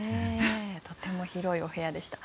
とても広いお部屋でした。